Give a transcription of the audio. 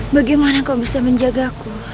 bagaimana kau bisa menjagaku